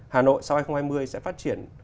hà nội sau hai nghìn hai mươi sẽ phát triển